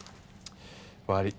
悪い。